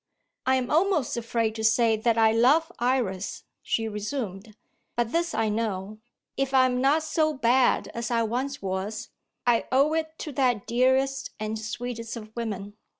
"I am almost afraid to say that I love Iris," she resumed; "but this I know; if I am not so bad as I once was, I owe it to that dearest and sweetest of women!